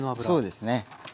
そうですね。